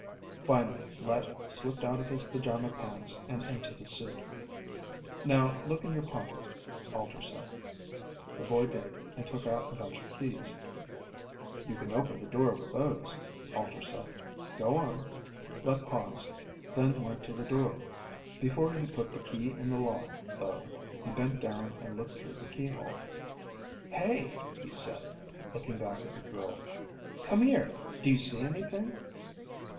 Finally Let slipped out of his pajama pants and into the suit. "Now look in your pocket," Alter said. The boy did and took out a bunch of keys. "You can open the door with those," Alter said. "Go on." Let paused, then went to the door. Before he put the key in the lock though, he bent down and looked through the keyhole. "Hey," he said, looking back at the girl. "Come here. Do you see anything?"